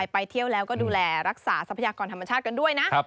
ไปเที่ยวแล้วก็ดูแลรักษาทรัพยากรธรรมชาติกันด้วยนะ